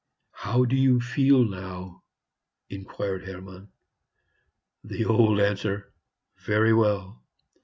"How do you feel now?" inquired Hermann. The old answer, "Very well."